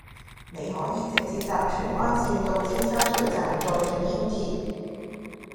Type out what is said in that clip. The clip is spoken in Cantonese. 你可以直接搭荃灣綫到尖沙咀站再轉輕鐵